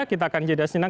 kita akan jeda senang